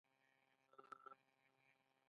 اوزه ستا څوکو ته حیران ګورم